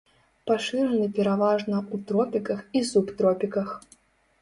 Пашыраны пераважна ў тропіках і субтропіках.